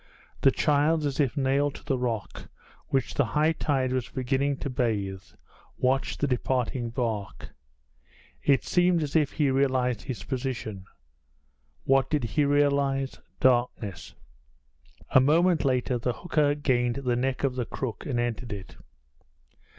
The child, as if nailed to the rock, which the high tide was beginning to bathe, watched the departing bark. It seemed as if he realized his position. What did he realize? Darkness. A moment later the hooker gained the neck of the crook and entered it.